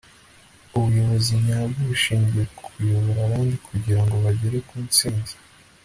ubuyobozi nyabwo bushingiye ku kuyobora abandi kugira ngo bagere ku ntsinzi